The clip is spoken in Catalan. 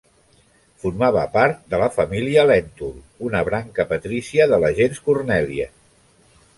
Formava part de la família Lèntul, una branca patrícia de la gens Cornèlia.